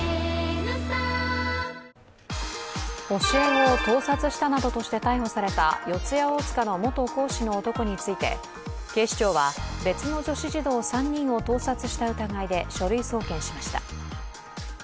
教え子を盗撮したなどとして逮捕された四谷大塚の元講師の男について警視庁は別の女子児童３人を盗撮した疑いで書類送検しました。